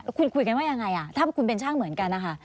คุณคุยกันว่ายังไงถ้าคุณเป็นช่างเหมือนกันนะคะ